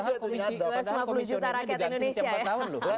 padahal komisioner ini diganti empat tahun lho